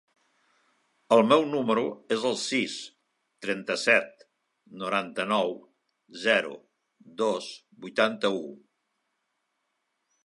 El meu número es el sis, trenta-set, noranta-nou, zero, dos, vuitanta-u.